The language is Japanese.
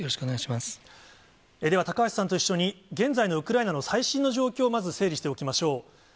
では高橋さんと一緒に、現在のウクライナの最新の状況をまず整理しておきましょう。